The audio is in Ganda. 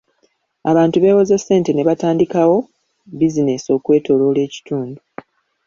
Abantu beewoze ssente ne batandikawo buzinensi okwetooloola ekitundu.